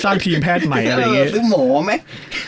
สร้างทีมแพทย์ใหม่ครับ